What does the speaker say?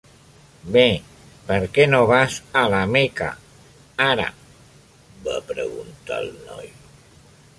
"Bé, per què no vas a la Meca ara?", va preguntar el noi.